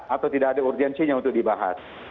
atau tidak ada urgensinya untuk dibahas